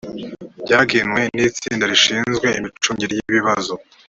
byagenwe n itsinda rishinzwe imicungire y ibibazo